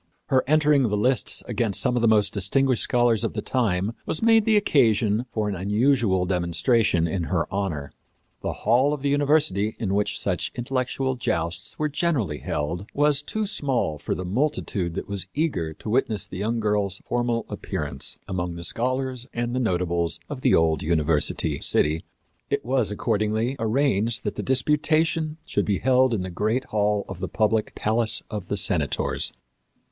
Her entering the lists against some of the most distinguished scholars of the time was made the occasion for an unusual demonstration in her honor. The hall of the university in which such intellectual jousts were generally held was too small for the multitude that was eager to witness the young girl's formal appearance among the scholars and the notables of the old university city. It was, accordingly, arranged that the disputation should be held in the great hall of the public Palace of the Senators.